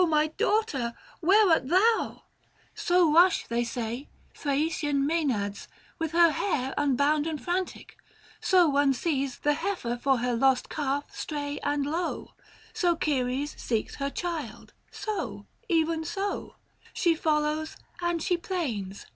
my daughter ! where art thou ?" 510 So rush, they say, Threician Msenades, With hair unbound and frantic ; so one sees The heifer for her lost calf stray and low ; So Ceres seeks her child ; so, even so, She follows and she plains.